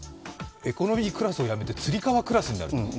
エコノミークラスをやめてつり革クラスになる！？